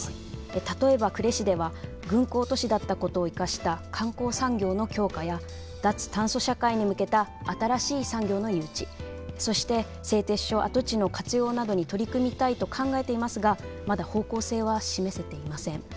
例えば呉市では軍港都市だったことをいかした観光産業の強化や脱炭素社会に向けた新しい産業の誘致そして製鉄所跡地の活用などに取り組みたいと考えていますがまだ方向性は示せていません。